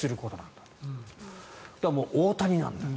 だから、大谷なんだと。